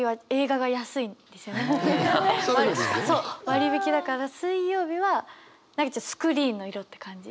割引だから水曜日はスクリーンの色って感じ。